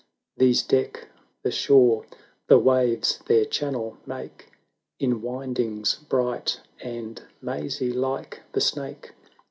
These deck the shore; the waves their channel make In windings bright and mazy like the snake.